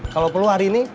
kalau perlu hari ini